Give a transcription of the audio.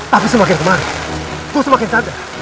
tapi semakin kemarin gue semakin sadar